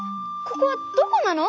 ここはどこなの？